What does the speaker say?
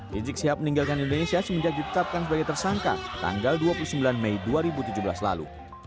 rizik sihab meninggalkan indonesia semenjak ditetapkan sebagai tersangka tanggal dua puluh sembilan mei dua ribu tujuh belas lalu